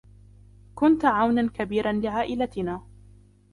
كنت عوناً كبيراً لعائلتنا.